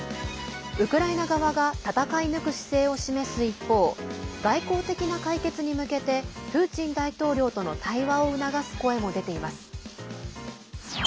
ウクライナ側が戦い抜く姿勢を示す一方外交的な解決に向けてプーチン大統領との対話を促す声も出ています。